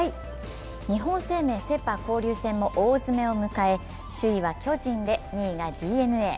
日本生命セ・パ交流戦も大詰めを迎え首位は巨人で２位がＤｅＮＡ。